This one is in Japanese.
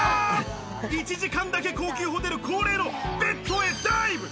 １時間だけ高級ホテル恒例のベッドへダイブ！